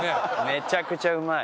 めちゃくちゃうまい。